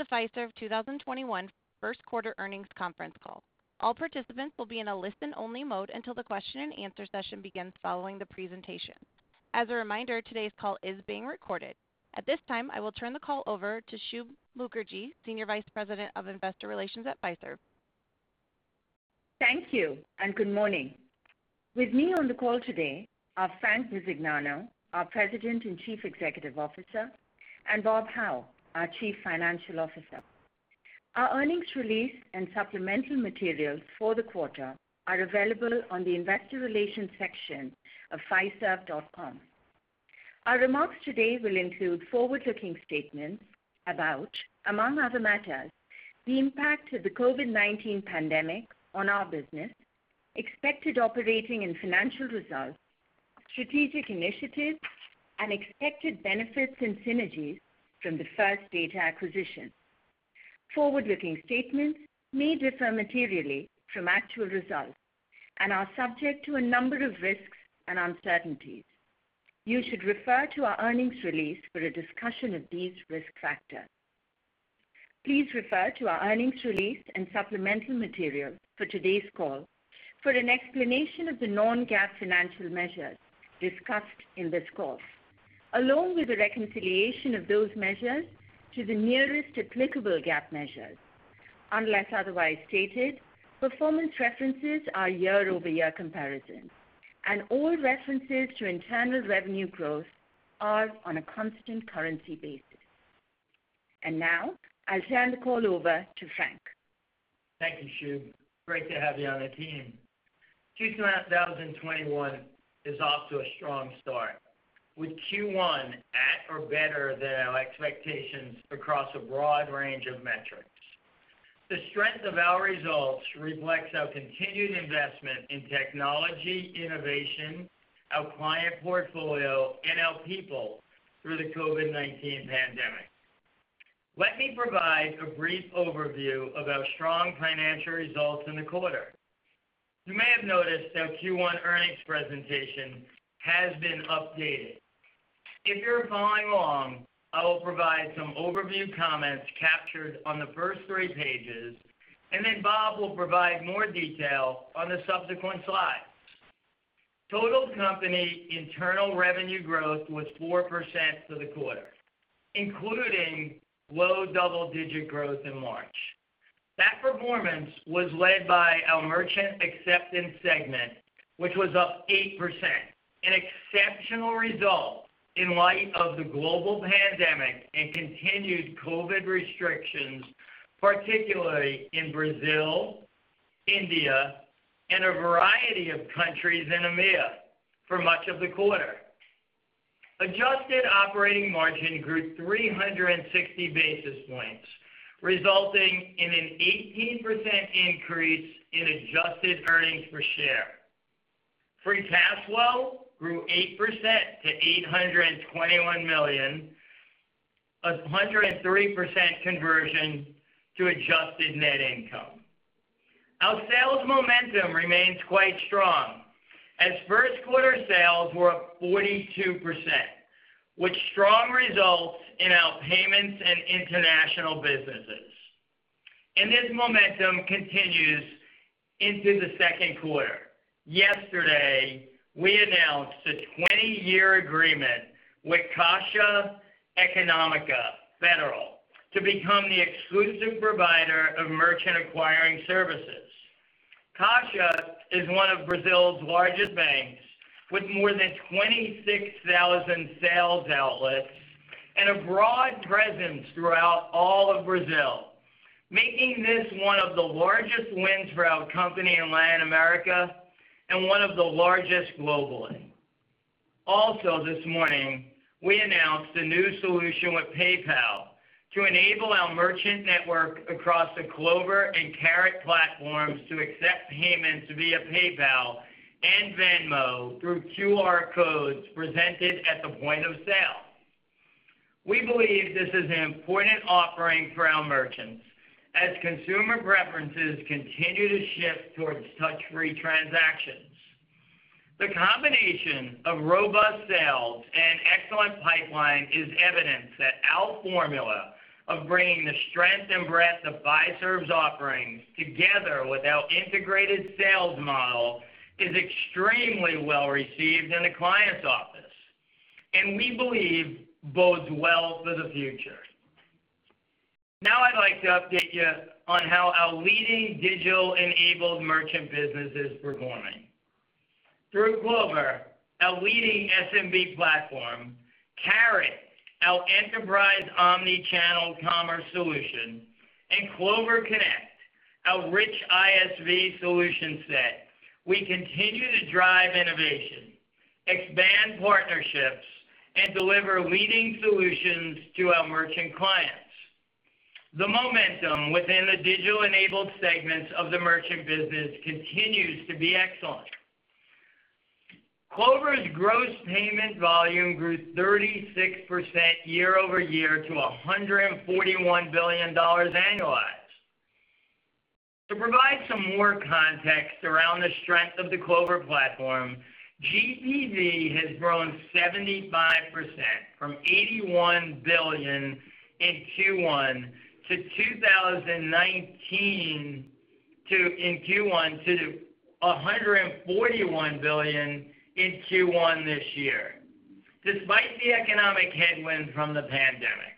To the Fiserv 2021 first quarter earnings conference call. All participants will be in a listen-only mode until the question-and-answer session begins following the presentation. As a reminder, today's call is being recorded. At this time, I will turn the call over to Shub Mukherjee, Senior Vice President of Investor Relations at Fiserv. Thank you, and good morning. With me on the call today are Frank Bisignano, our President and Chief Executive Officer, and Bob Hau, our Chief Financial Officer. Our earnings release and supplemental materials for the quarter are available on the investor relations section of fiserv.com. Our remarks today will include forward-looking statements about, among other matters, the impact of the COVID-19 pandemic on our business, expected operating and financial results, strategic initiatives, and expected benefits and synergies from the First Data acquisition. Forward-looking statements may differ materially from actual results and are subject to a number of risks and uncertainties. You should refer to our earnings release for a discussion of these risk factors. Please refer to our earnings release and supplemental materials for today's call for an explanation of the non-GAAP financial measures discussed in this call, along with a reconciliation of those measures to the nearest applicable GAAP measures. Unless otherwise stated, performance references are year-over-year comparisons, and all references to internal revenue growth are on a constant currency basis. Now I'll turn the call over to Frank. Thank you, Shub. Great to have you on the team. 2021 is off to a strong start with Q1 at or better than our expectations across a broad range of metrics. The strength of our results reflects our continued investment in technology, innovation, our client portfolio, and our people through the COVID-19 pandemic. Let me provide a brief overview of our strong financial results in the quarter. You may have noticed our Q1 earnings presentation has been updated. If you're following along, I will provide some overview comments captured on the first three pages, and then Bob will provide more detail on the subsequent slides. Total company internal revenue growth was 4% for the quarter, including low double-digit growth in March. That performance was led by our merchant acceptance segment, which was up 8%, an exceptional result in light of the global pandemic and continued COVID restrictions, particularly in Brazil, India, and a variety of countries in EMEA for much of the quarter. Adjusted operating margin grew 360 basis points, resulting in an 18% increase in adjusted earnings per share. Free cash flow grew 8% to $821 million, 103% conversion to adjusted net income. Our sales momentum remains quite strong as first-quarter sales were up 42%, with strong results in our payments and international businesses. This momentum continues into the second quarter. Yesterday, we announced a 20-year agreement with Caixa Econômica Federal to become the exclusive provider of merchant acquiring services. Caixa is one of Brazil's largest banks with more than 26,000 sales outlets and a broad presence throughout all of Brazil, making this one of the largest wins for our company in Latin America and one of the largest globally. This morning, we announced a new solution with PayPal to enable our merchant network across the Clover and Carat platforms to accept payments via PayPal and Venmo through QR codes presented at the point of sale. We believe this is an important offering for our merchants as consumer preferences continue to shift towards touch-free transactions. The combination of robust sales and excellent pipeline is evidence that our formula of bringing the strength and breadth of Fiserv's offerings together with our integrated sales model is extremely well-received in the client's office and we believe bodes well for the future. I'd like to update you on how our leading digital-enabled merchant business is performing. Through Clover, our leading SMB platform, Carat, our enterprise omni-channel commerce solution, and Clover Connect, our rich ISV solution set, we continue to drive innovation, expand partnerships, and deliver leading solutions to our merchant clients. The momentum within the digital-enabled segments of the merchant business continues to be excellent. Clover's gross payment volume grew 36% year-over-year to $141 billion annualized. To provide some more context around the strength of the Clover platform, GPV has grown 75%, from $81 billion in Q1 2019 to $141 billion in Q1 this year, despite the economic headwinds from the pandemic.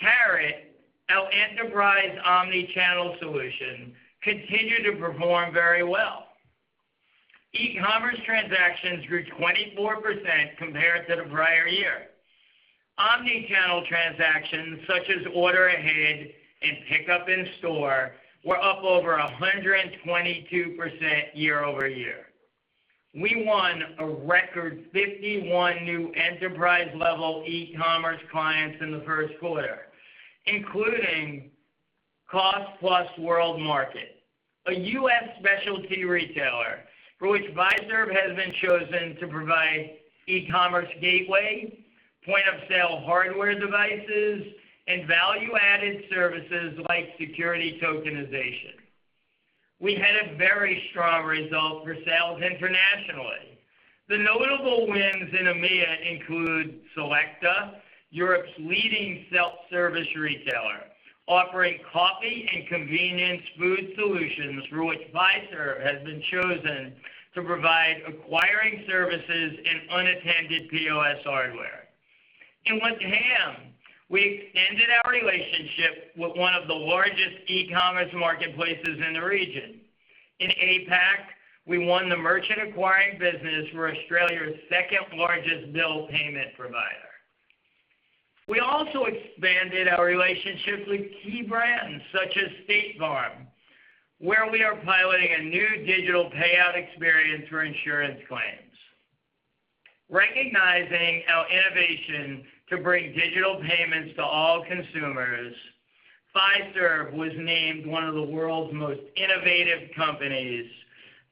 Carat, our enterprise omni-channel solution, continued to perform very well. E-commerce transactions grew 24% compared to the prior year. Omni-channel transactions, such as order ahead and pickup in store, were up over 122% year-over-year. We won a record 51 new enterprise-level e-commerce clients in the first quarter, including Cost Plus World Market, a U.S. specialty retailer for which Fiserv has been chosen to provide e-commerce gateway, point-of-sale hardware devices, and value-added services like security tokenization. We had a very strong result for sales internationally. The notable wins in EMEA include Selecta, Europe's leading self-service retailer, offering coffee and convenience food solutions for which Fiserv has been chosen to provide acquiring services and unattended POS hardware. In LATAM, we expanded our relationship with one of the largest e-commerce marketplaces in the region. In APAC, we won the merchant acquiring business for Australia's second-largest bill payment provider. We also expanded our relationships with key brands such as State Farm, where we are piloting a new digital payout experience for insurance claims. Recognizing our innovation to bring digital payments to all consumers, Fiserv was named one of the world's most innovative companies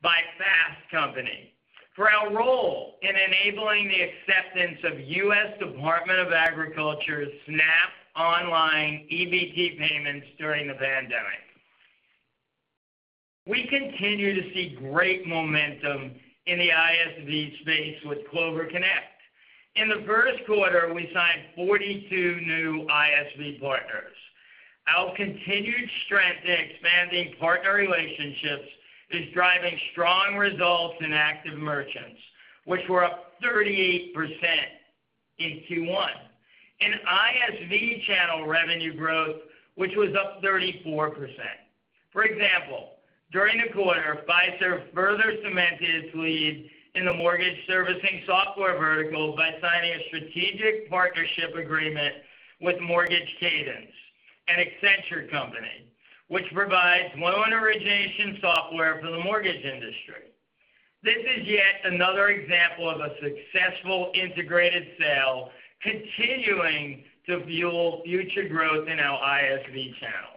by Fast Company for our role in enabling the acceptance of U.S. Department of Agriculture's SNAP online EBT payments during the pandemic. We continue to see great momentum in the ISV space with Clover Connect. In the first quarter, we signed 42 new ISV partners. Our continued strength in expanding partner relationships is driving strong results in active merchants, which were up 38% in Q1, and ISV channel revenue growth, which was up 34%. For example, during the quarter, Fiserv further cemented its lead in the mortgage servicing software vertical by signing a strategic partnership agreement with Mortgage Cadence, an Accenture company, which provides loan origination software for the mortgage industry. This is yet another example of a successful integrated sale continuing to fuel future growth in our ISV channel.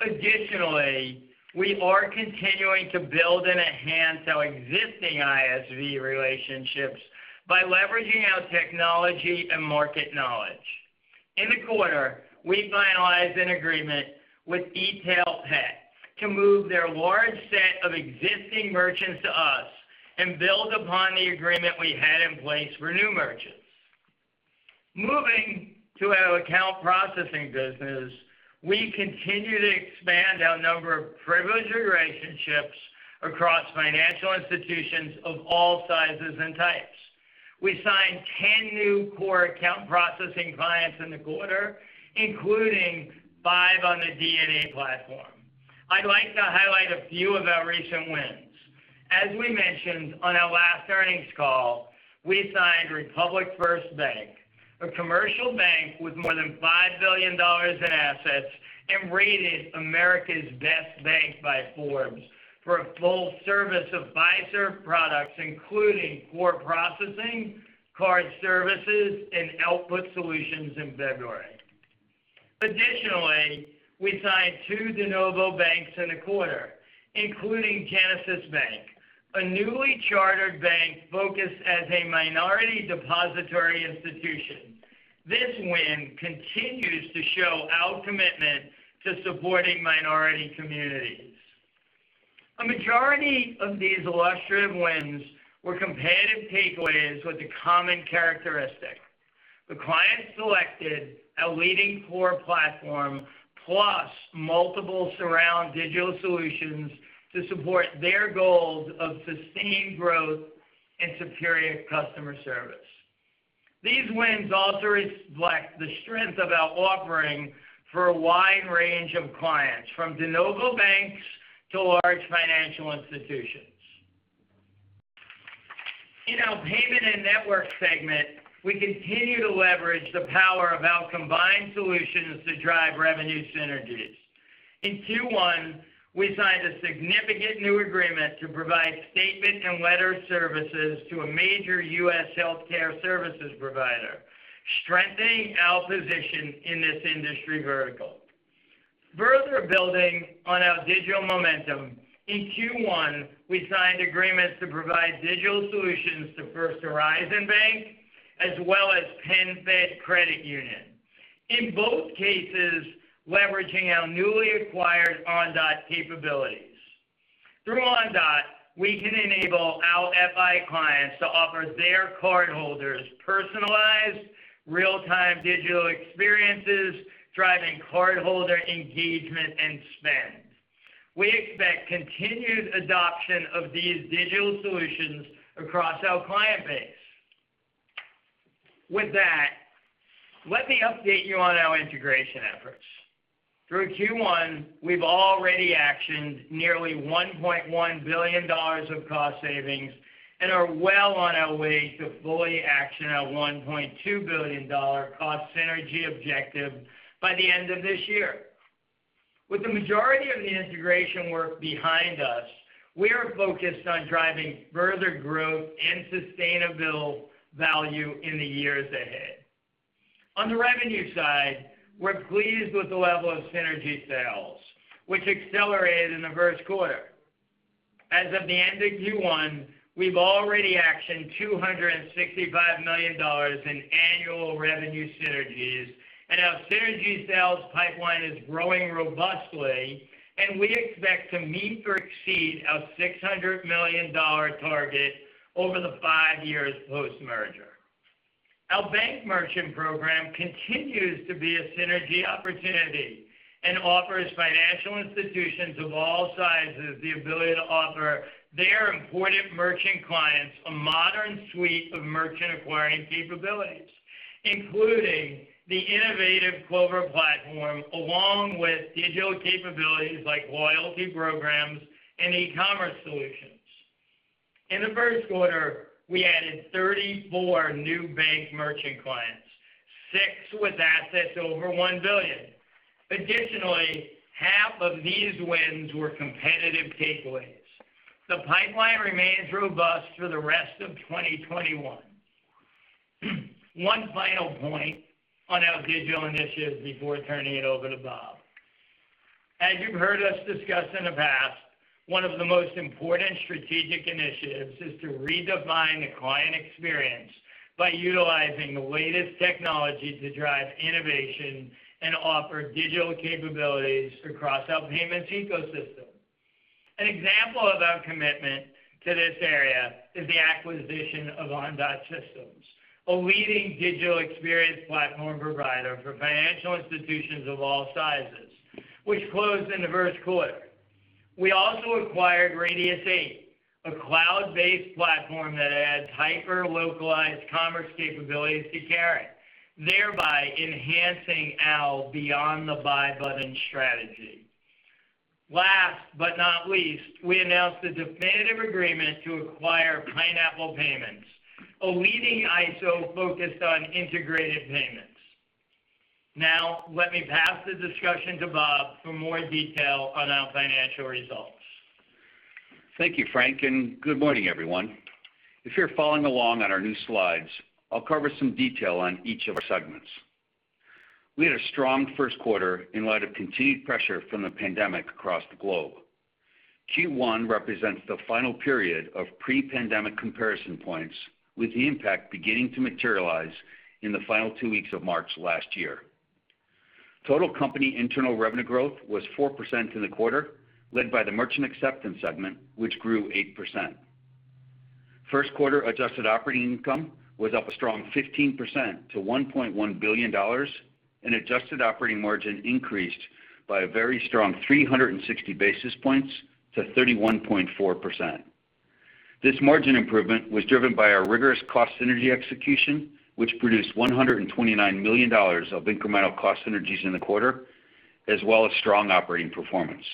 Additionally, we are continuing to build and enhance our existing ISV relationships by leveraging our technology and market knowledge. In the quarter, we finalized an agreement with eTailPet to move their large set of existing merchants to us and build upon the agreement we had in place for new merchants. Moving to our account processing business, we continue to expand our number of privileged relationships across financial institutions of all sizes and types. We signed 10 new core account processing clients in the quarter, including five on the DNA platform. I'd like to highlight a few of our recent wins. As we mentioned on our last earnings call, we signed Republic First Bank, a commercial bank with more $5 billion in assets and rated America's best bank by Forbes, for a full service of Fiserv products, including core processing, card services, and output solutions in February. Additionally, we signed two de novo banks in the quarter, including Genesis Bank, a newly chartered bank focused as a minority depository institution. This win continues to show our commitment to supporting minority communities. A majority of these illustrative wins were competitive takeaways with a common characteristic. The client selected a leading core platform plus multiple surround digital solutions to support their goals of sustained growth and superior customer service. These wins also reflect the strength of our offering for a wide range of clients, from de novo banks to large financial institutions. In our payment and network segment, we continue to leverage the power of our combined solutions to drive revenue synergies. In Q1, we signed a significant new agreement to provide statement and letter services to a major U.S. healthcare services provider, strengthening our position in this industry vertical. Further building on our digital momentum, in Q1, we signed agreements to provide digital solutions to First Horizon Bank. As well as PenFed Credit Union. In both cases, leveraging our newly acquired Ondot capabilities. Through Ondot, we can enable our FI clients to offer their cardholders personalized, real-time digital experiences, driving cardholder engagement and spend. We expect continued adoption of these digital solutions across our client base. With that, let me update you on our integration efforts. Through Q1, we've already actioned nearly $1.1 billion of cost savings and are well on our way to fully action our $1.2 billion cost synergy objective by the end of this year. With the majority of the integration work behind us, we are focused on driving further growth and sustainable value in the years ahead. On the revenue side, we're pleased with the level of synergy sales, which accelerated in the first quarter. As of the end of Q1, we've already actioned $265 million in annual revenue synergies. Our synergy sales pipeline is growing robustly, and we expect to meet or exceed our $600 million target over the five years post-merger. Our bank merchant program continues to be a synergy opportunity and offers financial institutions of all sizes the ability to offer their important merchant clients a modern suite of merchant acquiring capabilities, including the innovative Clover platform, along with digital capabilities like loyalty programs and e-commerce solutions. In the first quarter, we added 34 new bank merchant clients, six with assets over one billion. Additionally, half of these wins were competitive takeaways. The pipeline remains robust for the rest of 2021. One final point on our digital initiatives before turning it over to Bob. As you've heard us discuss in the past, one of the most important strategic initiatives is to redefine the client experience by utilizing the latest technology to drive innovation and offer digital capabilities across our payments ecosystem. An example of our commitment to this area is the acquisition of Ondot Systems, a leading digital experience platform provider for financial institutions of all sizes, which closed in the first quarter. We also acquired Radius8, a cloud-based platform that adds hyper-localized commerce capabilities to Carat, thereby enhancing our beyond-the-buy-button strategy. Last but not least, we announced a definitive agreement to acquire Pineapple Payments, a leading ISO focused on integrated payments. Let me pass the discussion to Bob for more detail on our financial results. Thank you, Frank, and good morning, everyone. If you're following along on our new slides, I'll cover some detail on each of our segments. We had a strong first quarter in light of continued pressure from the pandemic across the globe. Q1 represents the final period of pre-pandemic comparison points, with the impact beginning to materialize in the final two weeks of March last year. Total company internal revenue growth was 4% in the quarter, led by the merchant acceptance segment, which grew 8%. First quarter adjusted operating income was up a strong 15% to $1.1 billion, and adjusted operating margin increased by a very strong 360 basis points to 31.4%. This margin improvement was driven by our rigorous cost synergy execution, which produced $129 million of incremental cost synergies in the quarter, as well as strong operating performance.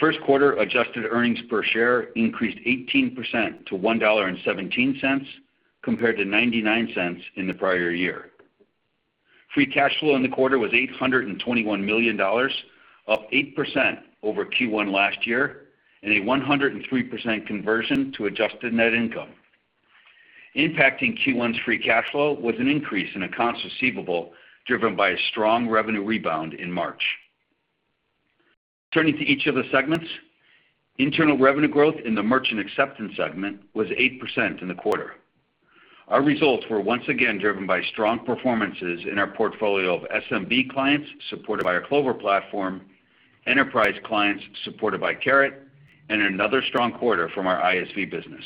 First quarter adjusted earnings per share increased 18% to $1.17, compared to $0.99 in the prior year. Free cash flow in the quarter was $821 million, up 8% over Q1 last year, and a 103% conversion to adjusted net income. Impacting Q1's free cash flow was an increase in accounts receivable, driven by a strong revenue rebound in March. Turning to each of the segments, internal revenue growth in the merchant acceptance segment was 8% in the quarter. Our results were once again driven by strong performances in our portfolio of SMB clients supported by our Clover platform, enterprise clients supported by Carat, and another strong quarter from our ISV business.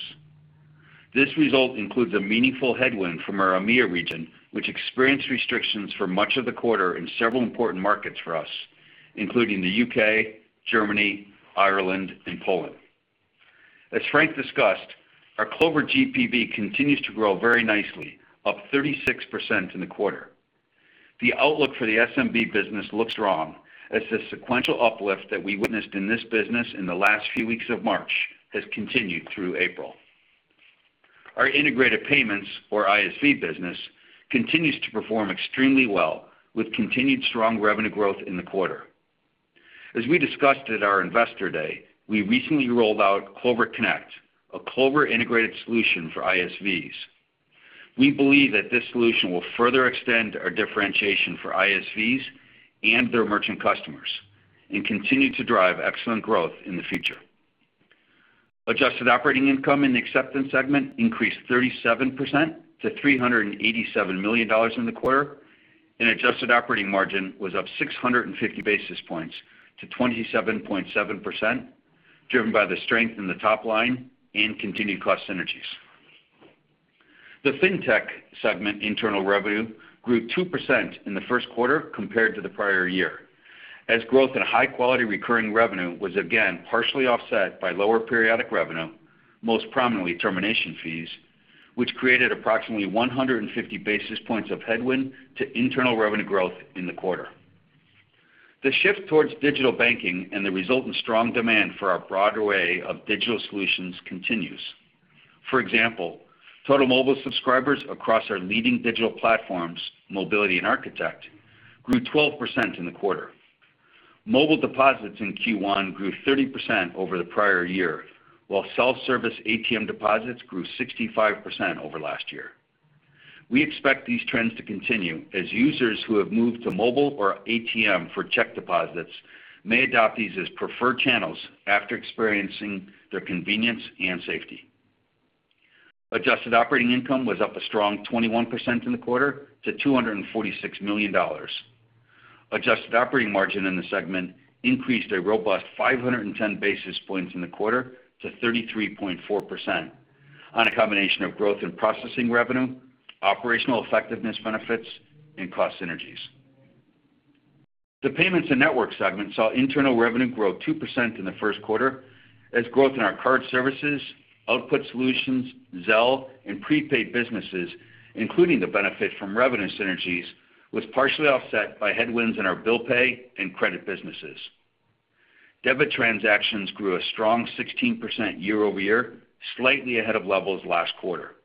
This result includes a meaningful headwind from our EMEA region, which experienced restrictions for much of the quarter in several important markets for us, including the U.K., Germany, Ireland, and Poland. As Frank discussed, our Clover GPV continues to grow very nicely, up 36% in the quarter. The outlook for the SMB business looks strong, as the sequential uplift that we witnessed in this business in the last few weeks of March has continued through April. Our integrated payments, or ISV business, continues to perform extremely well, with continued strong revenue growth in the quarter. As we discussed at our Investor Day, we recently rolled out Clover Connect, a Clover integrated solution for ISVs. We believe that this solution will further extend our differentiation for ISVs and their merchant customers and continue to drive excellent growth in the future. Adjusted operating income in the Acceptance segment increased 37% to $387 million in the quarter, and adjusted operating margin was up 650 basis points to 27.7%, driven by the strength in the top line and continued cost synergies. The Fintech segment internal revenue grew 2% in the first quarter compared to the prior year, as growth in high-quality recurring revenue was again partially offset by lower periodic revenue, most prominently termination fees, which created approximately 150 basis points of headwind to internal revenue growth in the quarter. The shift towards digital banking and the resultant strong demand for our broader array of digital solutions continues. For example, total mobile subscribers across our leading digital platforms, Mobiliti and Architect, grew 12% in the quarter. Mobile deposits in Q1 grew 30% over the prior year, while self-service ATM deposits grew 65% over last year. We expect these trends to continue as users who have moved to mobile or ATM for check deposits may adopt these as preferred channels after experiencing their convenience and safety. Adjusted operating income was up a strong 21% in the quarter to $246 million. Adjusted operating margin in the segment increased a robust 510 basis points in the quarter to 33.4% on a combination of growth in processing revenue, operational effectiveness benefits, and cost synergies. The Payments and Networks segment saw internal revenue grow 2% in the first quarter as growth in our card services, output solutions, Zelle, and prepaid businesses, including the benefit from revenue synergies, was partially offset by headwinds in our bill pay and credit businesses. Debit transactions grew a strong 16% year-over-year, slightly ahead of levels last quarter.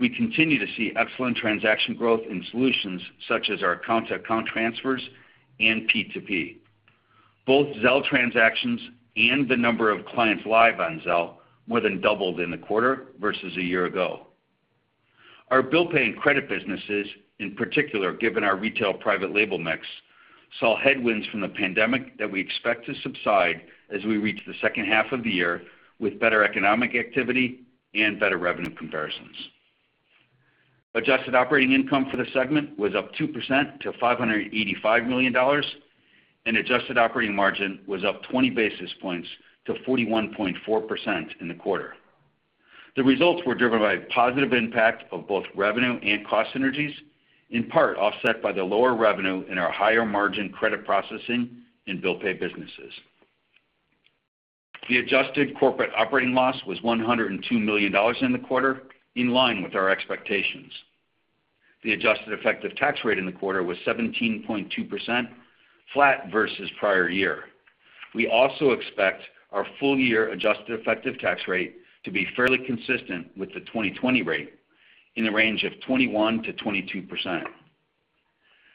We continue to see excellent transaction growth in solutions such as our account-to-account transfers and P2P. Both Zelle transactions and the number of clients live on Zelle more than doubled in the quarter versus a year ago. Our bill pay and credit businesses, in particular given our retail private label mix, saw headwinds from the pandemic that we expect to subside as we reach the second half of the year with better economic activity and better revenue comparisons. Adjusted operating income for the segment was up 2% to $585 million, and adjusted operating margin was up 20 basis points to 41.4% in the quarter. The results were driven by positive impact of both revenue and cost synergies, in part offset by the lower revenue in our higher-margin credit processing and bill pay businesses. The adjusted corporate operating loss was $102 million in the quarter, in line with our expectations. The adjusted effective tax rate in the quarter was 17.2%, flat versus prior year. We also expect our full-year adjusted effective tax rate to be fairly consistent with the 2020 rate in the range of 21%-22%.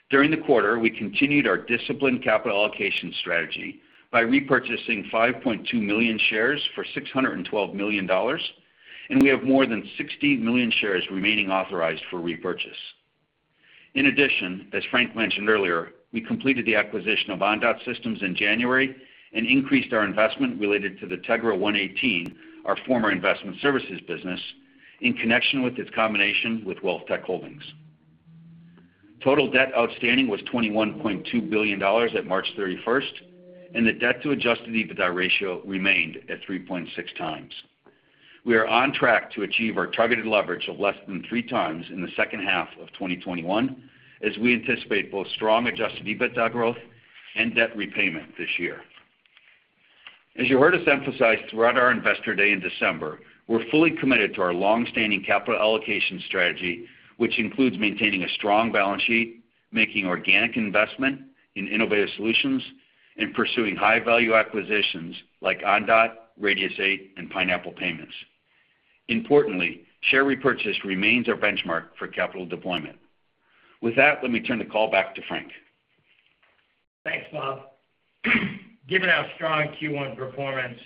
During the quarter, we continued our disciplined capital allocation strategy by repurchasing 5.2 million shares for $612 million. We have more than 16 million shares remaining authorized for repurchase. In addition, as Frank mentioned earlier, we completed the acquisition of Ondot Systems in January and increased our investment related to the Tegra118, our former investment services business, in connection with its combination with WealthTech Holdings. Total debt outstanding was $21.2 billion at March 31st. The debt to adjusted EBITDA ratio remained at 3.6 times. We are on track to achieve our targeted leverage of less than three times in the second half of 2021, as we anticipate both strong adjusted EBITDA growth and debt repayment this year. As you heard us emphasize throughout our Investor Day in December, we're fully committed to our long-standing capital allocation strategy, which includes maintaining a strong balance sheet, making organic investment in innovative solutions, and pursuing high-value acquisitions like Ondot, Radius8, and Pineapple Payments. Importantly, share repurchase remains our benchmark for capital deployment. With that, let me turn the call back to Frank. Thanks, Bob. Given our strong Q1 performance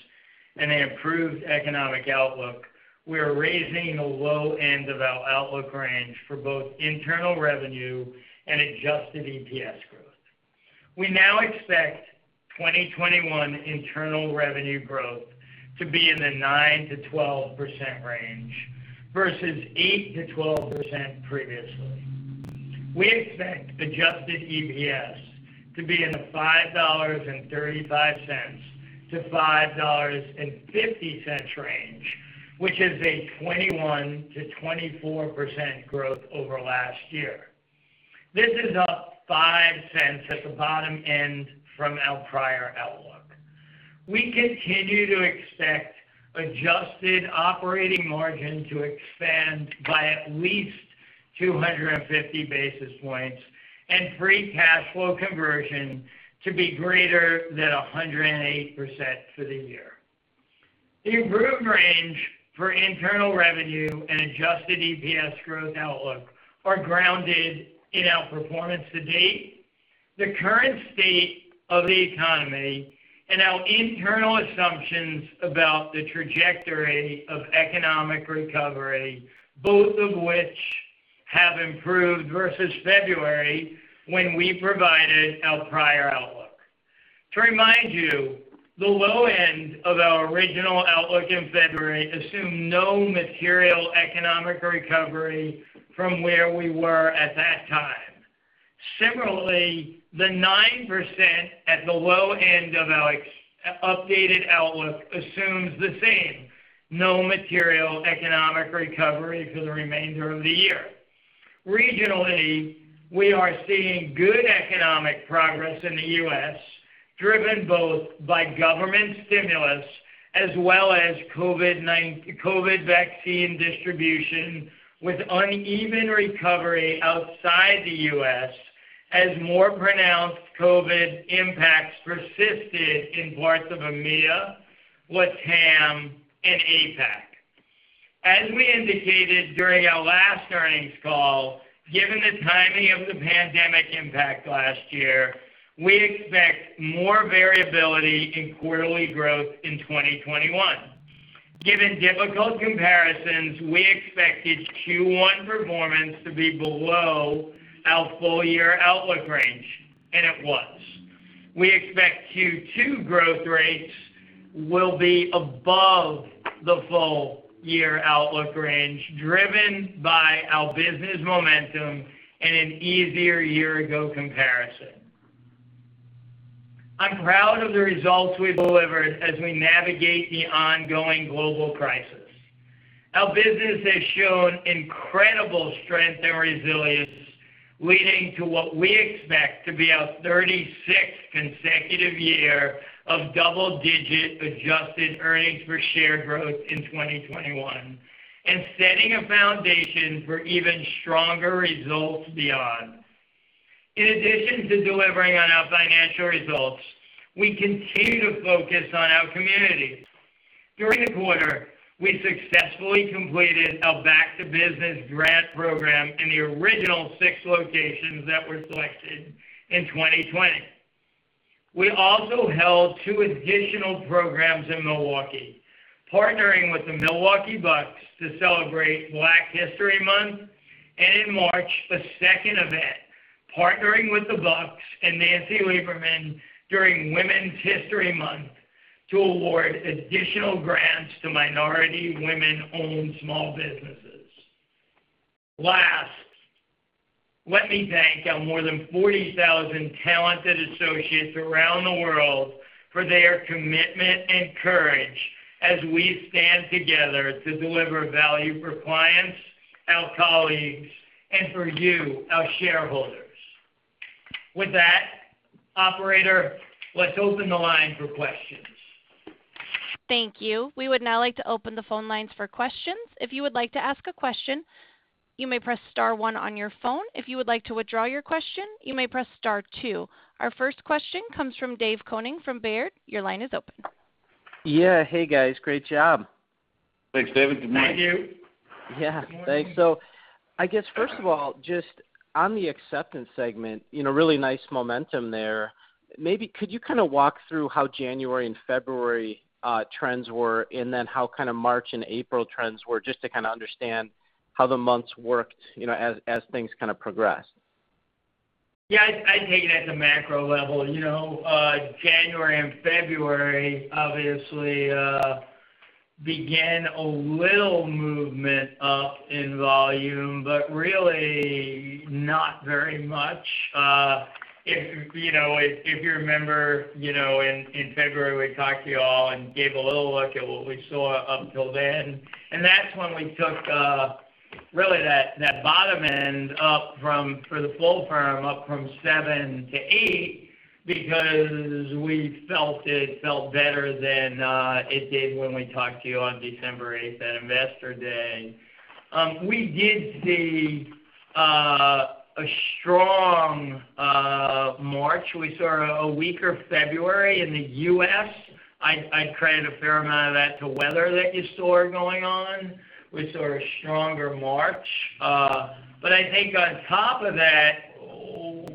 and the improved economic outlook, we are raising the low end of our outlook range for both internal revenue and adjusted EPS growth. We now expect 2021 internal revenue growth to be in the 9%-12% range versus 8%-12% previously. We expect adjusted EPS to be in the $5.35-$5.50 range, which is a 21%-24% growth over last year. This is up $0.05 at the bottom end from our prior outlook. We continue to expect adjusted operating margin to expand by at least 250 basis points and free cash flow conversion to be greater than 108% for the year. The improved range for internal revenue and adjusted EPS growth outlook are grounded in our performance to date, the current state of the economy, and our internal assumptions about the trajectory of economic recovery, both of which have improved versus February when we provided our prior outlook. To remind you, the low end of our original outlook in February assumed no material economic recovery from where we were at that time. Similarly, the 9% at the low end of our updated outlook assumes the same, no material economic recovery for the remainder of the year. Regionally, we are seeing good economic progress in the U.S., driven both by government stimulus as well as COVID vaccine distribution, with uneven recovery outside the U.S. as more pronounced COVID impacts persisted in parts of EMEA, LATAM, and APAC. As we indicated during our last earnings call, given the timing of the pandemic impact last year, we expect more variability in quarterly growth in 2021. Given difficult comparisons, we expected Q1 performance to be below our full-year outlook range, and it was. We expect Q2 growth rates will be above the full-year outlook range, driven by our business momentum and an easier year-ago comparison. I'm proud of the results we delivered as we navigate the ongoing global crisis. Our business has shown incredible strength and resilience, leading to what we expect to be our 36th consecutive year of double-digit adjusted earnings per share growth in 2021 and setting a foundation for even stronger results beyond. In addition to delivering on our financial results, we continue to focus on our community. During the quarter, we successfully completed our Back to Business grant program in the original six locations that were selected in 2020. We also held two additional programs in Milwaukee, partnering with the Milwaukee Bucks to celebrate Black History Month, and in March, a second event partnering with the Bucks and Nancy Lieberman during Women's History Month to award additional grants to minority women-owned small businesses. Last, let me thank our more than 40,000 talented associates around the world for their commitment and courage as we stand together to deliver value for clients, our colleagues, and for you, our shareholders. With that, operator, let's open the line for questions. Thank you. We would now like to open the phone lines for questions. If you would like to ask a question, you may press star one on your phone. If you would like to withdraw your question, you may press star two. Our first question comes from David Koning from Baird. Your line is open. Yeah. Hey, guys. Great job. Thanks, David. Good morning. Thank you. Yeah. Thanks. I guess first of all, just on the acceptance segment, really nice momentum there. Maybe could you walk through how January and February trends were, how March and April trends were, just to understand how the months worked as things progressed? Yeah. I take it at the macro level. January and February obviously began a little movement up in volume, but really not very much. If you remember, in February, we talked to you all and gave a little look at what we saw up till then, and that's when we took really that bottom end up for the full firm up from seven to eight because we felt it felt better than it did when we talked to you on December 8th at Investor Day. We did see a strong March. We saw a weaker February in the U.S. I'd credit a fair amount of that to weather that you saw going on. We saw a stronger March. I think on top of that,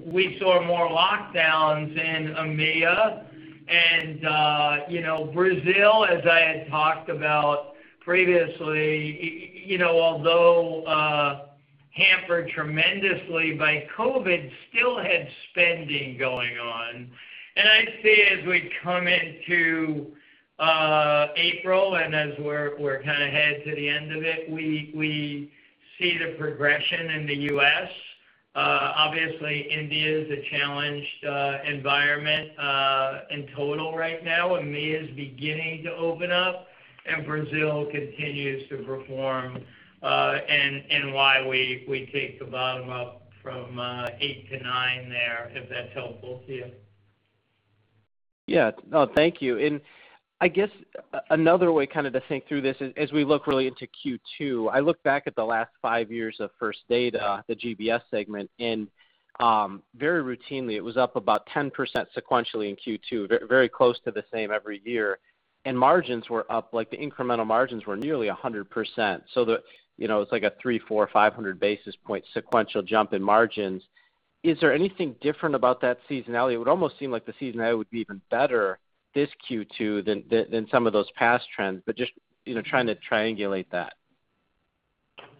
we saw more lockdowns in EMEA and Brazil, as I had talked about previously, although hampered tremendously by COVID, still had spending going on. I'd say as we come into April, as we're headed to the end of it, we see the progression in the U.S. Obviously, India is a challenged environment in total right now. EMEA is beginning to open up, and Brazil continues to perform, and why we take the bottom up from eight to nine there, if that's helpful to you. Yeah. No, thank you. I guess another way to think through this as we look really into Q2, I look back at the last five years of First Data, the GBS segment, very routinely, it was up about 10% sequentially in Q2, very close to the same every year. Margins were up, like the incremental margins were nearly 100%. It's like a 300, 400, 500 basis point sequential jump in margins. Is there anything different about that seasonality? It would almost seem like the seasonality would be even better this Q2 than some of those past trends, but just trying to triangulate that.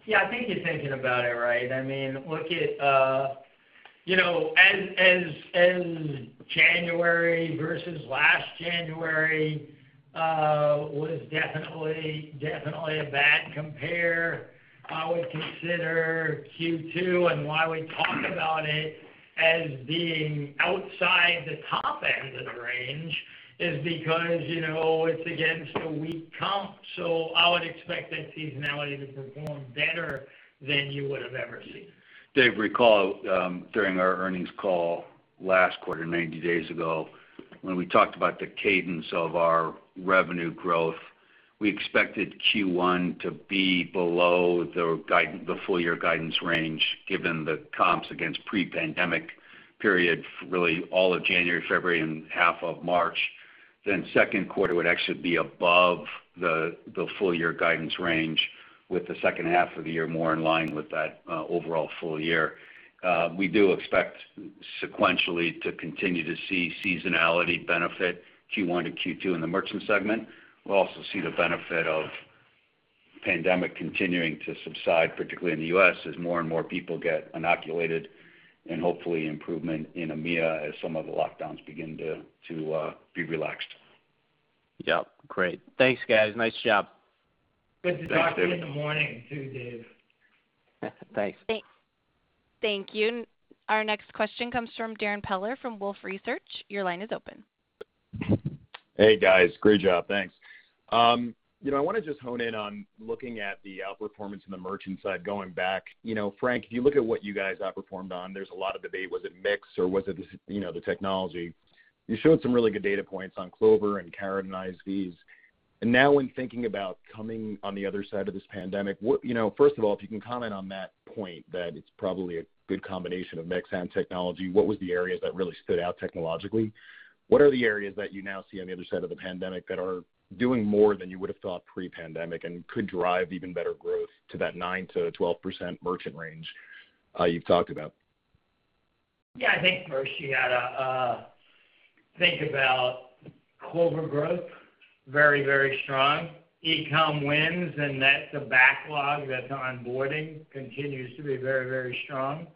Yeah, I think you're thinking about it right. January versus last January was definitely a bad compare. I would consider Q2 and why we talk about it as being outside the top end of the range is because it's against a weak comp. I would expect that seasonality to perform better than you would've ever seen. David, recall during our earnings call last quarter, 90 days ago, when we talked about the cadence of our revenue growth, we expected Q1 to be below the full-year guidance range, given the comps against pre-pandemic period, really all of January, February, and half of March. Second quarter would actually be above the full-year guidance range with the second half of the year more in line with that overall full-year. We do expect sequentially to continue to see seasonality benefit Q1 to Q2 in the merchant segment. We'll also see the benefit of pandemic continuing to subside, particularly in the U.S., as more and more people get inoculated, and hopefully improvement in EMEA as some of the lockdowns begin to be relaxed. Yep. Great. Thanks, guys. Nice job. Thanks, David. Good to talk to you in the morning too, Dave. Thanks. Thank you. Our next question comes from Darrin Peller from Wolfe Research. Your line is open. Hey, guys. Great job, thanks. I want to just hone in on looking at the outperformance in the merchant side going back. Frank, if you look at what you guys outperformed on, there's a lot of debate. Was it mix or was it the technology? You showed some really good data points on Clover and Carat and ISVs. Now when thinking about coming on the other side of this pandemic, first of all, if you can comment on that point, that it's probably a good combination of mix and technology. What was the areas that really stood out technologically? What are the areas that you now see on the other side of the pandemic that are doing more than you would've thought pre-pandemic and could drive even better growth to that 9%-12% merchant range you've talked about? Yeah, I think first you got to think about Clover growth, very strong. E-com wins, that's a backlog that's onboarding, continues to be very strong.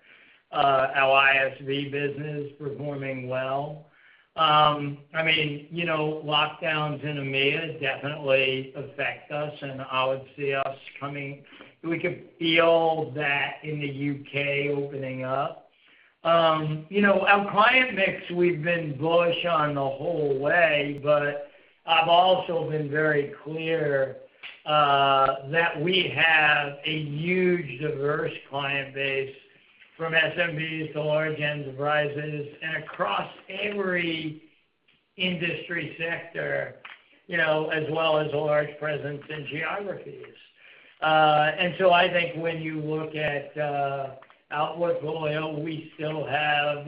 Our ISV business performing well. Lockdowns in EMEA definitely affect us. We could feel that in the U.K. opening up. Our client mix, we've been bullish on the whole way, but I've also been very clear that we have a huge diverse client base, from SMBs to large enterprises, and across every industry sector, as well as a large presence in geographies. I think when you look at outlook going out, we still have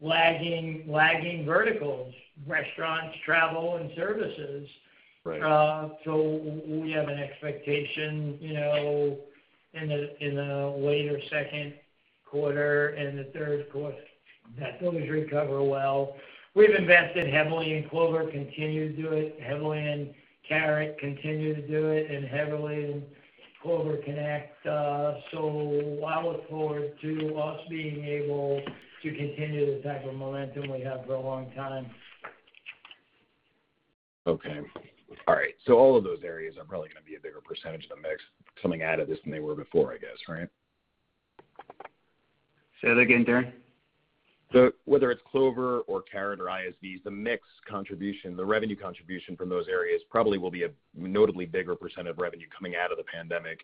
lagging verticals, restaurants, travel, and services. Right. We have an expectation in the later second quarter and the third quarter that those recover well. We've invested heavily in Clover, continue to do it heavily in Carat, continue to do it, and heavily in Clover Connect. I look forward to us being able to continue the type of momentum we have for a long time. Okay. All right. All of those areas are probably going to be a bigger percentage of the mix coming out of this than they were before, I guess, right? Say that again, Darrin. Whether it's Clover or Carat or ISVs, the mix contribution, the revenue contribution from those areas probably will be a notably bigger percent of revenue coming out of the pandemic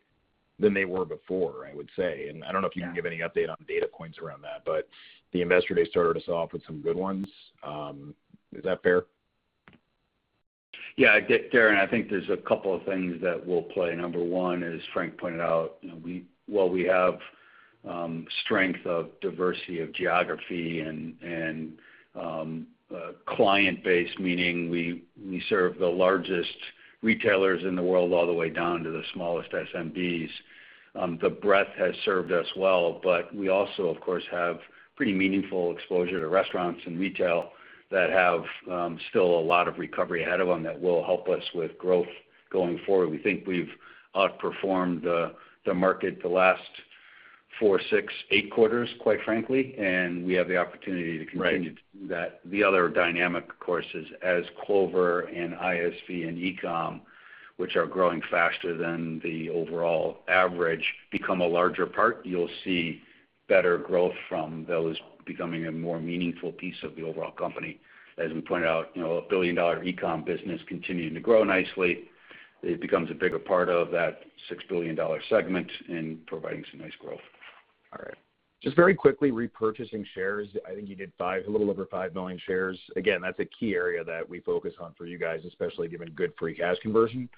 than they were before, I would say. I don't know if you can give any update on the data points around that, but the Investor Day started us off with some good ones. Is that fair? Yeah, Darrin, I think there's a couple of things that will play. Number one, as Frank pointed out, while we have strength of diversity of geography and client base, meaning we serve the largest retailers in the world all the way down to the smallest SMBs. The breadth has served us well, we also, of course, have pretty meaningful exposure to restaurants and retail that have still a lot of recovery ahead of them that will help us with growth going forward. We think we've outperformed the market the last four, six, eight quarters, quite frankly, we have the opportunity to continue to do that. The other dynamic, of course, is as Clover and ISV and e-com, which are growing faster than the overall average, become a larger part, you'll see better growth from those becoming a more meaningful piece of the overall company. As we pointed out, a billion-dollar e-com business continuing to grow nicely, it becomes a bigger part of that $6 billion segment and providing some nice growth. All right. Just very quickly, repurchasing shares. I think you did a little over 5 million shares. Again, that's a key area that we focus on for you guys, especially given good free cash conversion.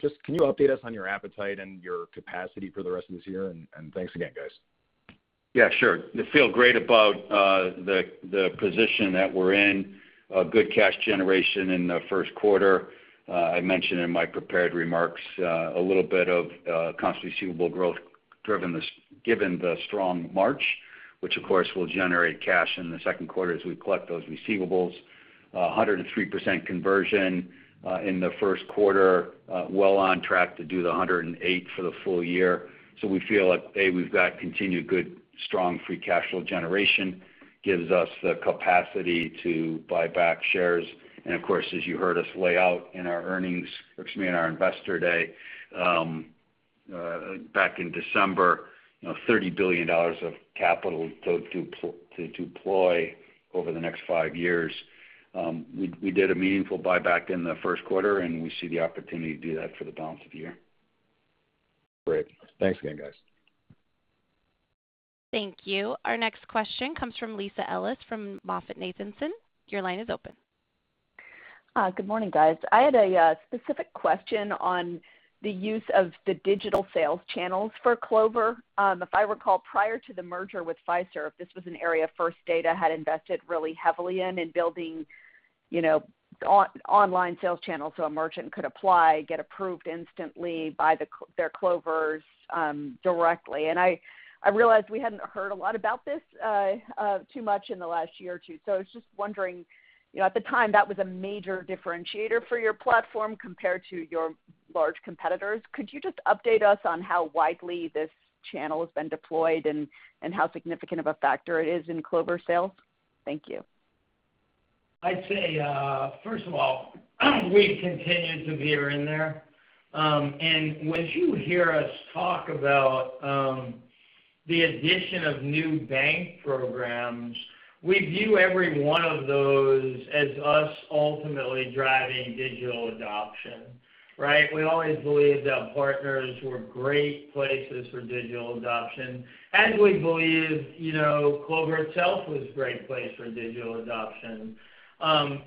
Just can you update us on your appetite and your capacity for the rest of this year? Thanks again, guys. Yeah, sure. I feel great about the position that we're in. Good cash generation in the first quarter. I mentioned in my prepared remarks a little bit of constantly suitable growth given the strong March. Which, of course, will generate cash in the second quarter as we collect those receivables. 103% conversion in the first quarter, well on track to do the 108% for the full-year. We feel like, A, we've got continued good, strong free cash flow generation, gives us the capacity to buy back shares. As you heard us lay out in our investor day back in December, $30 billion of capital to deploy over the next five years. We did a meaningful buyback in the first quarter, and we see the opportunity to do that for the balance of the year. Great. Thanks again, guys. Thank you. Our next question comes from Lisa Ellis from MoffettNathanson. Your line is open. Good morning, guys. I had a specific question on the use of the digital sales channels for Clover. If I recall, prior to the merger with Fiserv, this was an area First Data had invested really heavily in in building online sales channels so a merchant could apply, get approved instantly, buy their Clovers directly. I realized we hadn't heard a lot about this too much in the last year or two. I was just wondering, at the time, that was a major differentiator for your platform compared to your large competitors. Could you just update us on how widely this channel has been deployed and how significant of a factor it is in Clover sales? Thank you. I'd say, first of all, we've continued to be in there. When you hear us talk about the addition of new bank programs, we view every one of those as us ultimately driving digital adoption, right? We always believed our partners were great places for digital adoption, and we believed Clover itself was a great place for digital adoption. When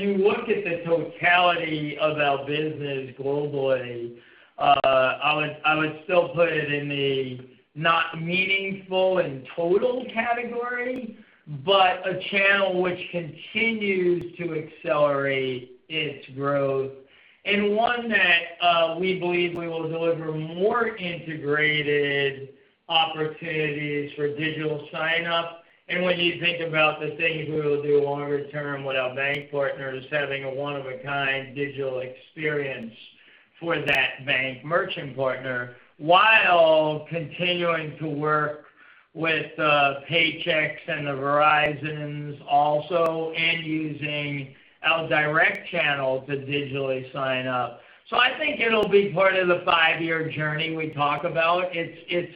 you look at the totality of our business globally, I would still put it in the not meaningful in total category, but a channel which continues to accelerate its growth and one that we believe we will deliver more integrated opportunities for digital sign-up. When you think about the things we will do longer term with our bank partners having a one-of-a-kind digital experience for that bank merchant partner while continuing to work with the Paychex and the Verizon also, and using our direct channel to digitally sign up. I think it'll be part of the five-year journey we talk about. It's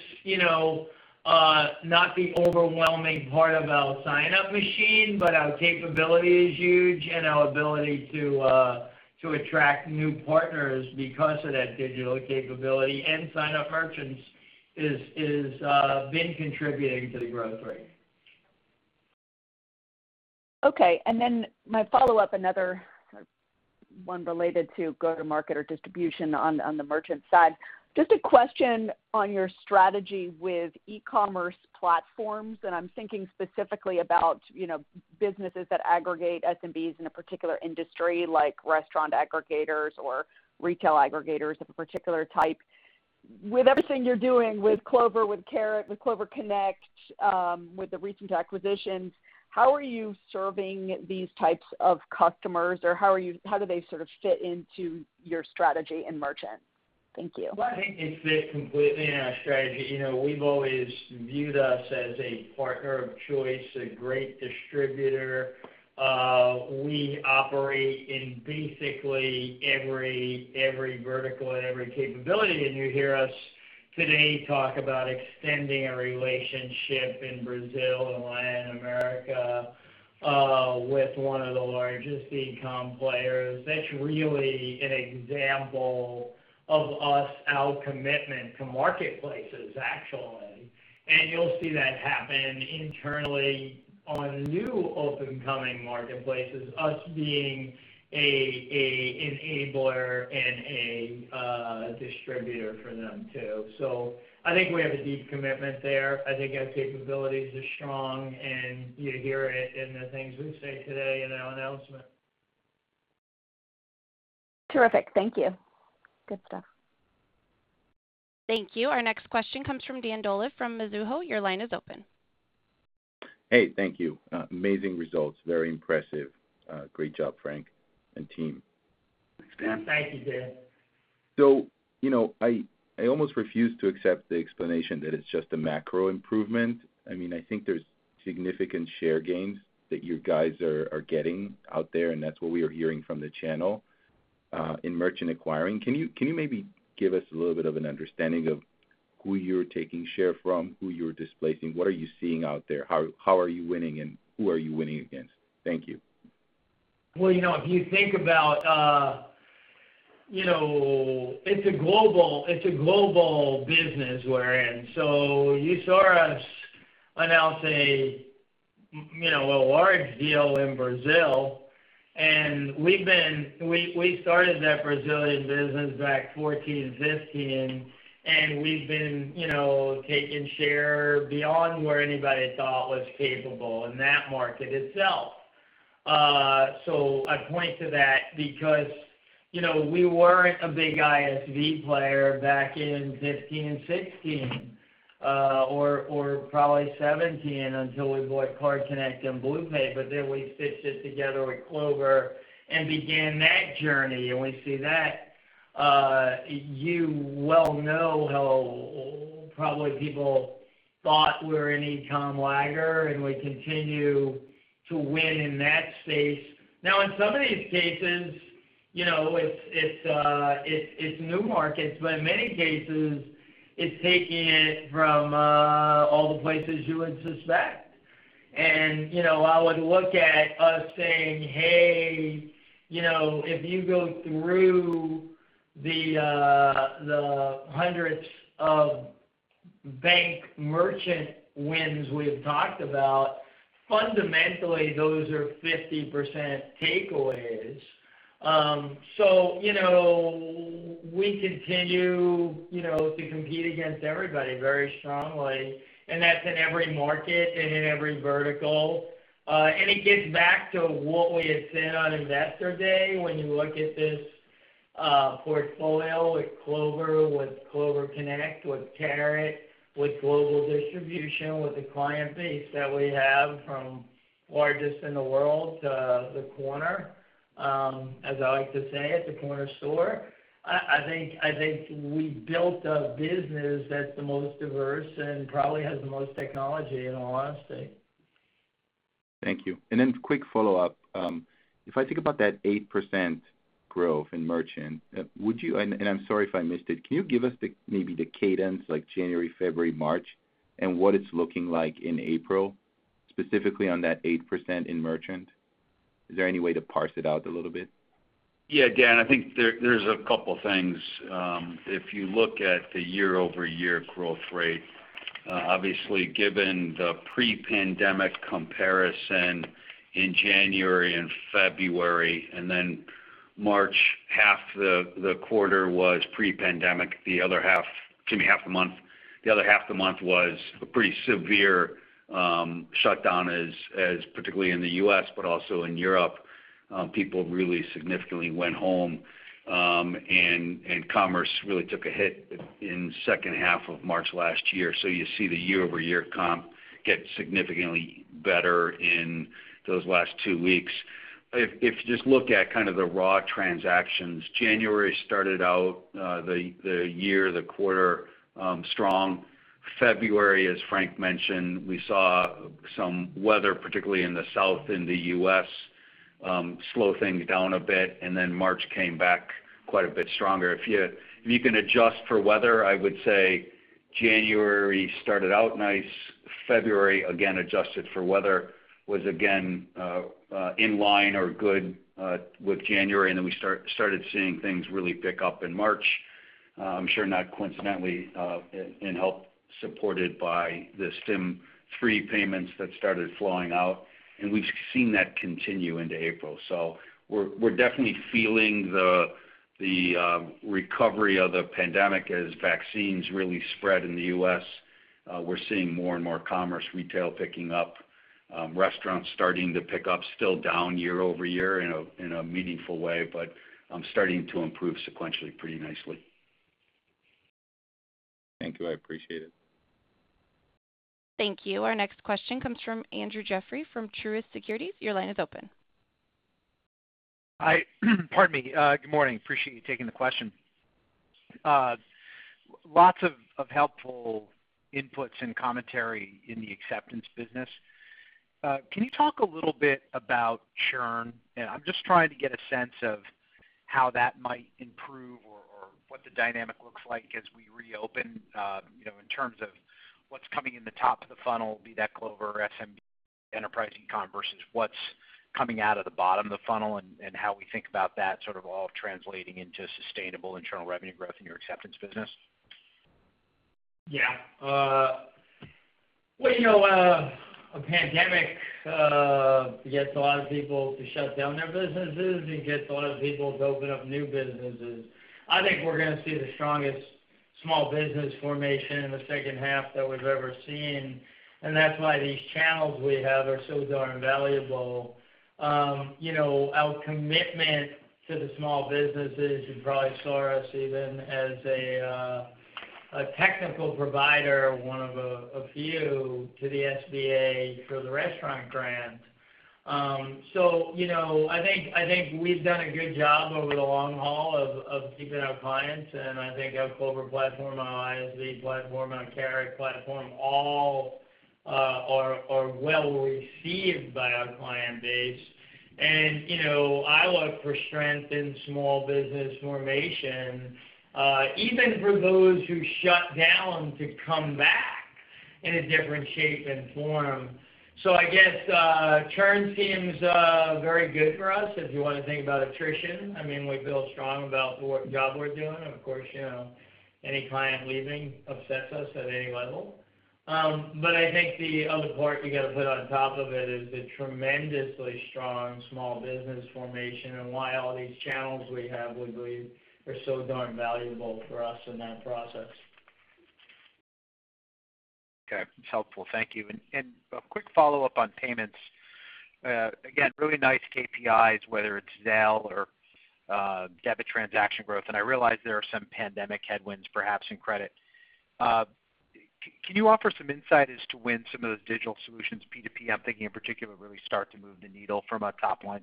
not the overwhelming part of our sign-up machine, but our capability is huge, and our ability to attract new partners because of that digital capability and sign-up merchants has been contributing to the growth rate. Okay, my follow-up, another one related to go-to-market or distribution on the merchant side. Just a question on your strategy with e-commerce platforms, and I'm thinking specifically about businesses that aggregate SMBs in a particular industry, like restaurant aggregators or retail aggregators of a particular type. With everything you're doing with Clover, with Carat, with Clover Connect, with the recent acquisitions, how are you serving these types of customers, or how do they sort of fit into your strategy in merchant? Thank you. Well, I think it fits completely in our strategy. We've always viewed us as a partner of choice, a great distributor. We operate in basically every vertical and every capability, and you hear us today talk about extending a relationship in Brazil, in Latin America, with one of the largest e-com players. That's really an example of us, our commitment to marketplaces, actually. You'll see that happen internally on new up-and-coming marketplaces, us being an enabler and a distributor for them, too. I think we have a deep commitment there. I think our capabilities are strong, and you hear it in the things we say today in our announcement. Terrific. Thank you. Good stuff. Thank you. Our next question comes from Dan Dolev from Mizuho. Your line is open. Hey, thank you. Amazing results. Very impressive. Great job, Frank and team. Thanks, Dan. Thank you, Dan. I almost refuse to accept the explanation that it's just a macro improvement. I think there's significant share gains that you guys are getting out there, and that's what we are hearing from the channel in merchant acquiring. Can you maybe give us a little bit of an understanding of who you're taking share from, who you're displacing? What are you seeing out there? How are you winning, and who are you winning against? Thank you. Well, if you think about it's a global business we're in. You saw us announce a large deal in Brazil, and we started that Brazilian business back 2014, 2015, and we've been taking share beyond where anybody thought was capable in that market itself. I point to that because we weren't a big ISV player back in 2015 and 2016, or probably 2017 until we bought CardConnect and BluePay, we stitched it together with Clover and began that journey, we see that. You well know how probably people thought we were an e-com lagger, we continue to win in that space. In some of these cases, it's new markets, in many cases, it's taking it from all the places you would suspect. I would look at us saying, hey, if you go through the hundreds of bank merchant wins we've talked about, fundamentally, those are 50% takeaways. We continue to compete against everybody very strongly, that's in every market and in every vertical. It gets back to what we had said on Investor Day. When you look at this portfolio with Clover, with Clover Connect, with Carat, with global distribution, with the client base that we have from largest in the world to the corner, as I like to say, at the corner store, I think we built a business that's the most diverse and probably has the most technology, in all honesty. Thank you. Then quick follow-up. If I think about that 8% growth in merchant, I'm sorry if I missed it, can you give us maybe the cadence, like January, February, March, and what it's looking like in April, specifically on that 8% in merchant? Is there any way to parse it out a little bit? Yeah, Dan, I think there's a couple things. You look at the year-over-year growth rate, obviously given the pre-pandemic comparison in January and February, then March, half the month was a pretty severe shutdown, particularly in the U.S., but also in Europe. People really significantly went home, commerce really took a hit in second half of March last year. You see the year-over-year comp get significantly better in those last two weeks. You just look at kind of the raw transactions, January started out the year, the quarter, strong. February, as Frank mentioned, we saw some weather, particularly in the South, in the U.S., slow things down a bit, March came back quite a bit stronger. You can adjust for weather, I would say January started out nice. February, again, adjusted for weather, was again in line or good with January. Then we started seeing things really pick up in March. I'm sure not coincidentally, and help supported by the stim 3 payments that started flowing out, and we've seen that continue into April. We're definitely feeling the recovery of the pandemic as vaccines really spread in the U.S. We're seeing more and more commerce retail picking up, restaurants starting to pick up. Still down year-over-year in a meaningful way, but starting to improve sequentially pretty nicely. Thank you. I appreciate it. Thank you. Our next question comes from Andrew Jeffrey from Truist Securities. Your line is open. Pardon me. Good morning. Appreciate you taking the question. Lots of helpful inputs and commentary in the acceptance business. Can you talk a little bit about churn? I'm just trying to get a sense of how that might improve or what the dynamic looks like as we reopen, in terms of what's coming in the top of the funnel, be that Clover, SMB, enterprise, e-com, versus what's coming out of the bottom of the funnel and how we think about that sort of all translating into sustainable internal revenue growth in your acceptance business. Yeah. Well, a pandemic gets a lot of people to shut down their businesses and gets a lot of people to open up new businesses. I think we're going to see the strongest small business formation in the second half that we've ever seen, that's why these channels we have are so darn valuable. Our commitment to the small businesses, you probably saw us even as a technical provider, one of a few to the SBA for the restaurant grant. I think we've done a good job over the long haul of keeping our clients, I think our Clover platform, our ISV platform, and our Carat platform all are well received by our client base. I look for strength in small business formation, even for those who shut down to come back in a different shape and form. I guess churn seems very good for us if you want to think about attrition. We feel strong about what job we're doing, and of course, any client leaving upsets us at any level. I think the other part you got to put on top of it is the tremendously strong small business formation and why all these channels we have, we believe, are so darn valuable for us in that process. It's helpful. Thank you. A quick follow-up on payments. Again, really nice KPIs, whether it's Zelle or debit transaction growth. I realize there are some pandemic headwinds, perhaps in credit. Can you offer some insight as to when some of those digital solutions, P2P, I'm thinking in particular, really start to move the needle from a top-line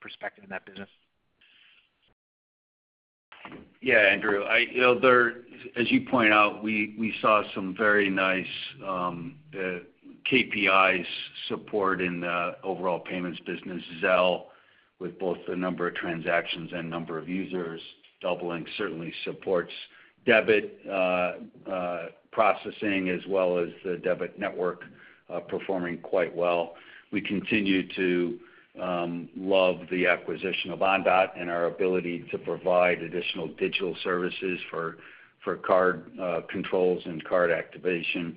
perspective in that business? Yeah, Andrew. As you point out, we saw some very nice KPIs support in the overall payments business. Zelle, with both the number of transactions and number of users doubling, certainly supports debit processing as well as the debit network performing quite well. We continue to love the acquisition of Ondot and our ability to provide additional digital services for card controls and card activation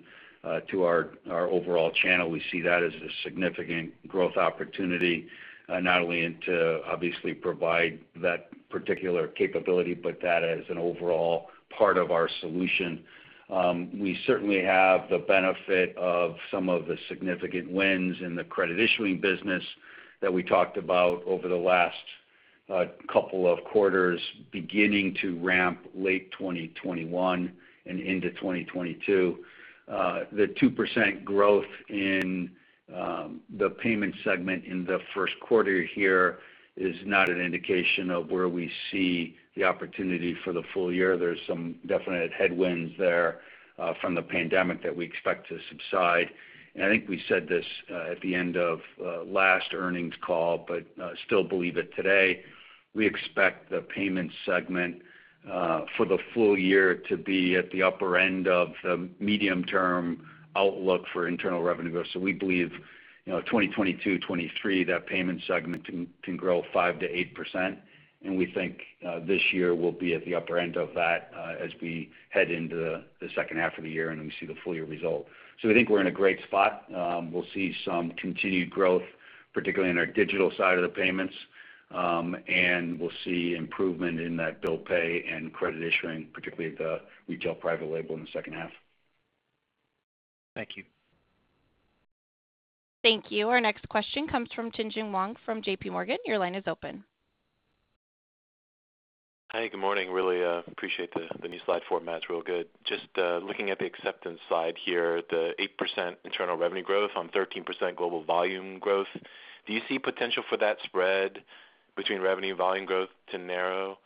to our overall channel. We see that as a significant growth opportunity, not only into obviously provide that particular capability, but that as an overall part of our solution. We certainly have the benefit of some of the significant wins in the credit issuing business that we talked about over the last couple of quarters, beginning to ramp late 2021 and into 2022. The 2% growth in the payment segment in the first quarter here is not an indication of where we see the opportunity for the full-year. There's some definite headwinds there from the pandemic that we expect to subside. I think we said this at the end of last earnings call, but still believe it today, we expect the payment segment for the full-year to be at the upper end of the medium-term outlook for internal revenue growth. We believe 2022, 2023, that payment segment can grow 5%-8%, and we think this year will be at the upper end of that as we head into the second half of the year and we see the full-year result. We think we're in a great spot. We'll see some continued growth, particularly in our digital side of the payments. We'll see improvement in that bill pay and credit issuing, particularly at the retail private label in the second half. Thank you. Thank you. Our next question comes from Tien-Tsin Huang from J.P. Morgan. Your line is open. Hi, good morning. Really appreciate the new slide format. It's real good. Just looking at the acceptance slide here, the 8% internal revenue growth on 13% global volume growth. Do you see potential for that spread between revenue volume growth to narrow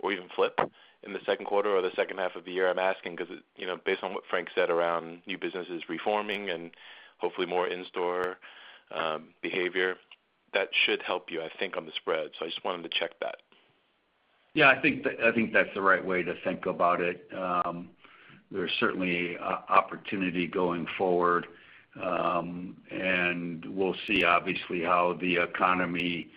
or even flip in the second quarter or the second half of the year? I'm asking because based on what Frank said around new businesses reforming and hopefully more in-store behavior, that should help you, I think, on the spread. I just wanted to check that. Yeah, I think that's the right way to think about it. There's certainly opportunity going forward. We'll see, obviously, how the economy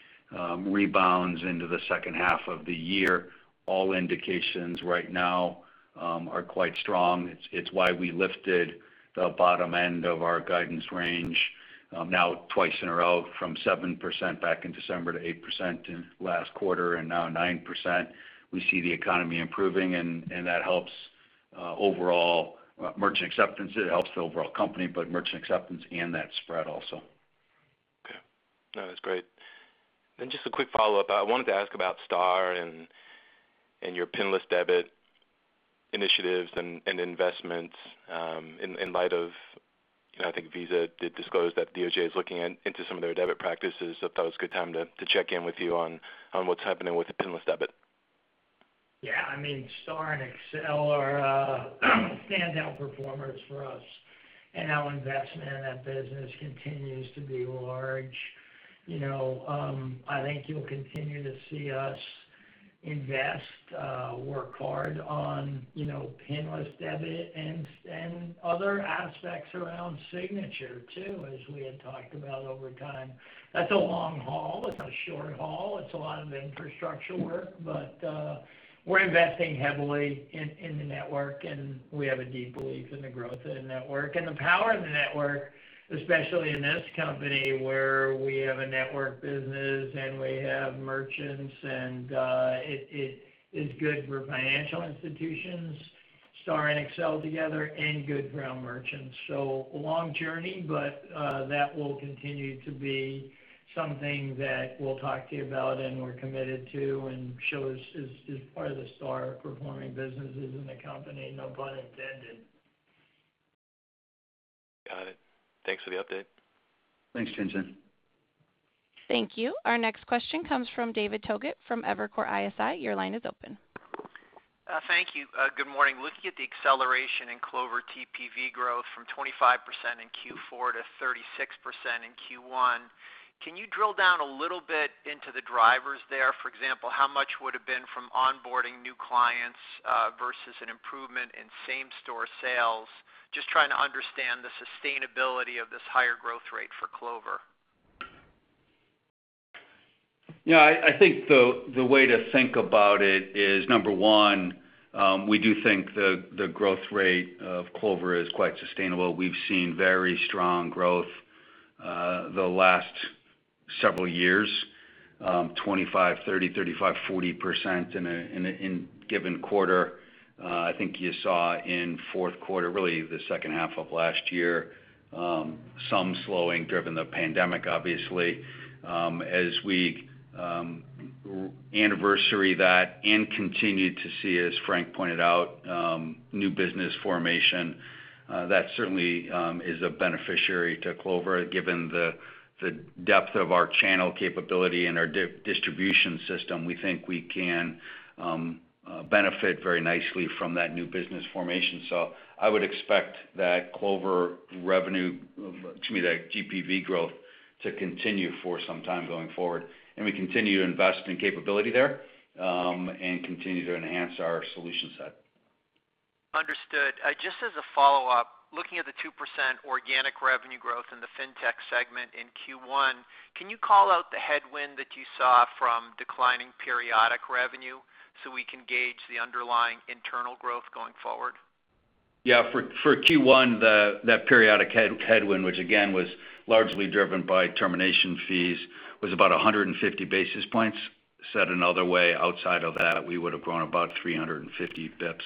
rebounds into the second half of the year. All indications right now are quite strong. It's why we lifted the bottom end of our guidance range now twice in a row from 7% back in December to 8% in last quarter, and now 9%. We see the economy improving, and that helps overall merchant acceptance. It helps the overall company, but merchant acceptance and that spread also. Okay. No, that's great. Just a quick follow-up. I wanted to ask about STAR and your PINless debit initiatives and investments in light of, I think Visa did disclose that the DOJ is looking into some of their debit practices. I thought it was a good time to check in with you on what's happening with the PINless debit. STAR and Accel are standout performers for us, and our investment in that business continues to be large. I think you'll continue to see us invest, work hard on PINless debit and other aspects around signature too, as we had talked about over time. That's a long haul. It's not a short haul. It's a lot of infrastructure work, but we're investing heavily in the network, and we have a deep belief in the growth of the network. The power of the network, especially in this company, where we have a network business and we have merchants, and it is good for financial institutions, STAR and Accel together, and good for our merchants. A long journey, but that will continue to be something that we'll talk to you about and we're committed to and show as part of the STAR performing businesses in the company, no pun intended. Got it. Thanks for the update. Thanks, Tien-Tsin. Thank you. Our next question comes from David Togut from Evercore ISI. Your line is open. Thank you. Good morning. Looking at the acceleration in Clover TPV growth from 25% in Q4 to 36% in Q1, can you drill down a little bit into the drivers there? For example, how much would have been from onboarding new clients versus an improvement in same-store sales? Just trying to understand the sustainability of this higher growth rate for Clover. Yeah, I think the way to think about it is, number one, we do think the growth rate of Clover is quite sustainable. We've seen very strong growth the last several years, 25%, 30%, 35%, 40% in a given quarter. I think you saw in fourth quarter, really the second half of last year, some slowing driven the pandemic, obviously. As we anniversary that and continue to see, as Frank pointed out, new business formation, that certainly is a beneficiary to Clover. Given the depth of our channel capability and our distribution system, we think we can benefit very nicely from that new business formation. I would expect that Clover revenue, excuse me, that GPV growth to continue for some time going forward. We continue to invest in capability there, and continue to enhance our solution set. Understood. Just as a follow-up, looking at the 2% organic revenue growth in the Fintech segment in Q1, can you call out the headwind that you saw from declining periodic revenue so we can gauge the underlying internal growth going forward? Yeah. For Q1, that periodic headwind, which again was largely driven by termination fees, was about 150 basis points. Said another way, outside of that, we would've grown about 350 bps.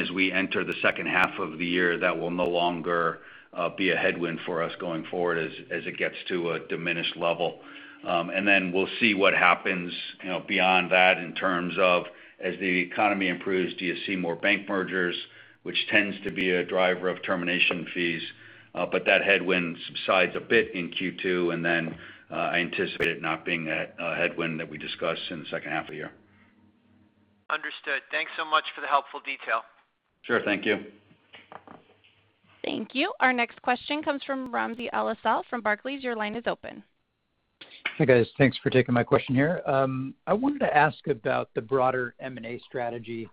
As we enter the second half of the year, that will no longer be a headwind for us going forward as it gets to a diminished level. We'll see what happens beyond that in terms of as the economy improves, do you see more bank mergers, which tends to be a driver of termination fees. That headwind subsides a bit in Q2 and then I anticipate it not being a headwind that we discuss in the second half of the year. Understood. Thanks so much for the helpful detail. Sure. Thank you. Thank you. Our next question comes from Ramsey El-Assal from Barclays. Your line is open. Hey, guys. Thanks for taking my question here. I wanted to ask about the broader M&A strategy.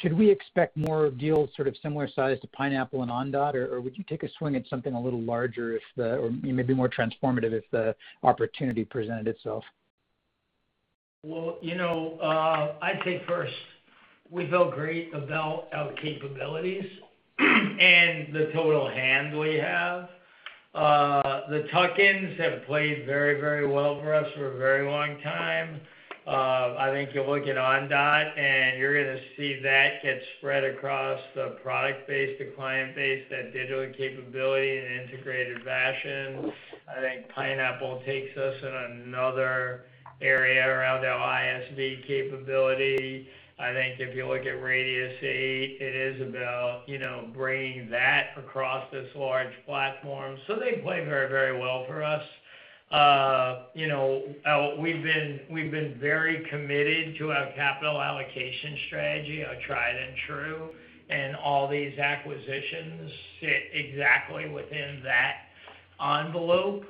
Should we expect more deals sort of similar size to Pineapple and Ondot? Would you take a swing at something a little larger or maybe more transformative if the opportunity presented itself? I'd say first, we feel great about our capabilities and the total hand we have. The tuck-ins have played very well for us for a very long time. I think you'll look at Ondot, and you're going to see that get spread across the product base, the client base, that digital capability in an integrated fashion. I think Pineapple takes us in another area around our ISV capability. I think if you look at Radius8, it is about bringing that across this large platform. They play very well for us. We've been very committed to our capital allocation strategy, our tried and true, and all these acquisitions sit exactly within that envelope.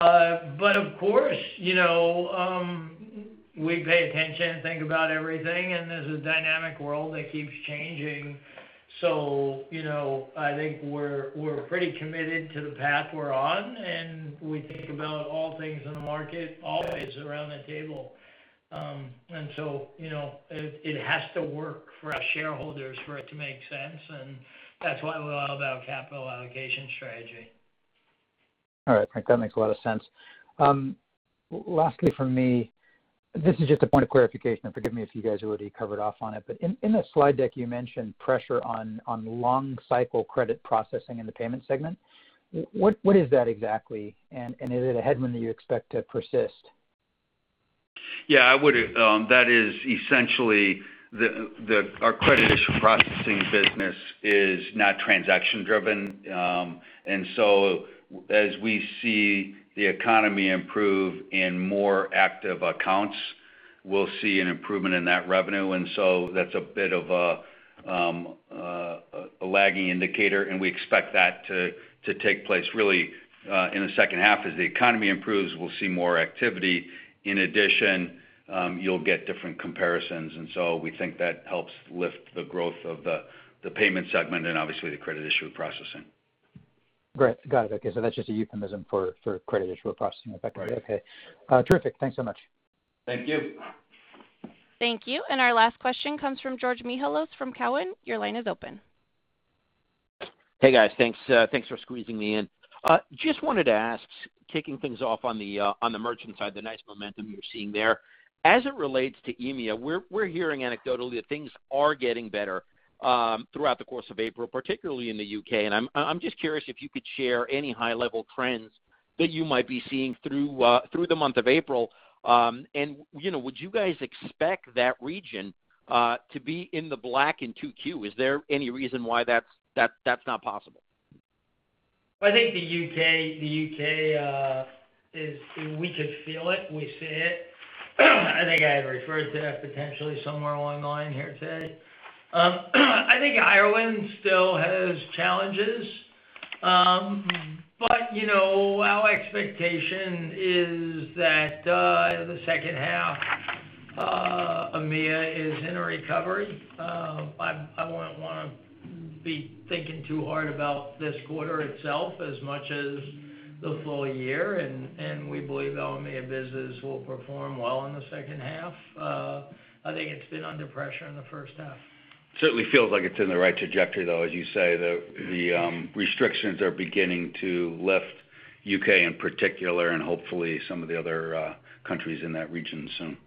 Of course, we pay attention and think about everything, and this is a dynamic world that keeps changing. I think we're pretty committed to the path we're on, and we think about all things in the market always around the table. It has to work for our shareholders for it to make sense, and that's why we're all about capital allocation strategy. All right, Frank, that makes a lot of sense. Lastly from me, this is just a point of clarification. Forgive me if you guys already covered off on it. In the slide deck, you mentioned pressure on long cycle credit processing in the payment segment. What is that exactly? Is it a headwind that you expect to persist? Yeah. That is essentially our credit issue processing business is not transaction driven. As we see the economy improve in more active accounts, we'll see an improvement in that revenue. That's a bit of a lagging indicator, and we expect that to take place really in the second half. As the economy improves, we'll see more activity. In addition, you'll get different comparisons, we think that helps lift the growth of the payment segment and obviously the credit issue processing. Great. Got it. Okay, that's just a euphemism for credit issue processing effectively. Right. Okay. Terrific. Thanks so much. Thank you. Thank you. Our last question comes from Georgios Mihalos from Cowen. Your line is open. Hey, guys. Thanks for squeezing me in. Just wanted to ask, kicking things off on the merchant side, the nice momentum you're seeing there. As it relates to EMEA, we're hearing anecdotally that things are getting better throughout the course of April, particularly in the U.K., and I'm just curious if you could share any high level trends that you might be seeing through the month of April. Would you guys expect that region to be in the black in 2Q? Is there any reason why that's not possible? I think the U.K., we could feel it, we see it. I think I had referred to that potentially somewhere along the line here today. I think Ireland still has challenges. Our expectation is that the second half, EMEA is in a recovery. Be thinking too hard about this quarter itself as much as the full-year, and we believe the EMEA business will perform well in the second half. I think it's been under pressure in the first half. Certainly feels like it's in the right trajectory, though, as you say. The restrictions are beginning to lift U.K. in particular, and hopefully some of the other countries in that region soon.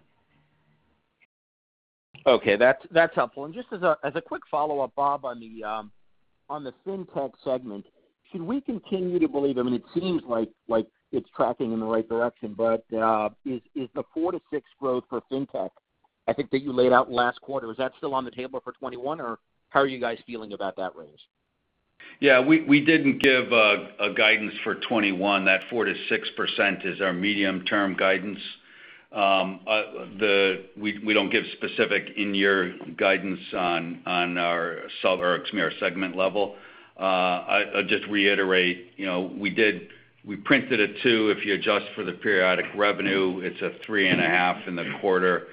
Okay, that's helpful. Just as a quick follow-up, Bob, on the Fintech segment, should we continue to believe I mean, it seems like it's tracking in the right direction, but is the 4%-6% growth for Fintech, I think that you laid out last quarter, is that still on the table for 2021, or how are you guys feeling about that range? We didn't give a guidance for 2021. That 4%-6% is our medium-term guidance. We don't give specific in-year guidance on our software or SMB segment level. I'll just reiterate, we printed a two. If you adjust for the periodic revenue, it's a three and a half in the quarter.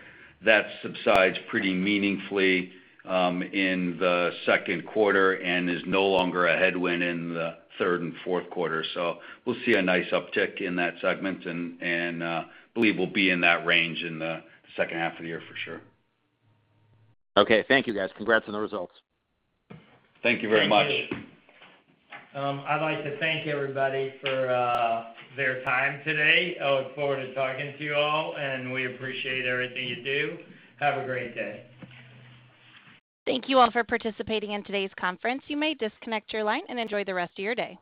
That subsides pretty meaningfully in the second quarter and is no longer a headwind in the third and fourth quarter. We'll see a nice uptick in that segment, and believe we'll be in that range in the second half of the year for sure. Okay. Thank you, guys. Congrats on the results. Thank you very much. Thank you. I'd like to thank everybody for their time today. I look forward to talking to you all, and we appreciate everything you do. Have a great day. Thank you all for participating in today's conference. You may disconnect your line and enjoy the rest of your day.